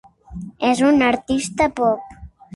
És un artista pop.